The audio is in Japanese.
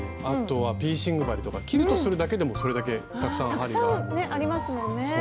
あとはピーシング針とかキルトするだけでもそれだけたくさん針があるんでね。